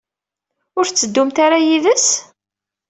Ur tetteddumt ara yid-s?